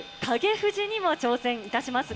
富士にも挑戦いたします。